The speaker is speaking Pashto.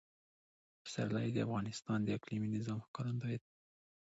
پسرلی د افغانستان د اقلیمي نظام ښکارندوی ده.